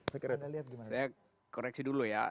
saya koreksi dulu ya